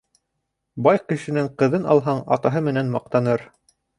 Бай кешенең ҡыҙын алһаң, атаһы менән маҡтаныр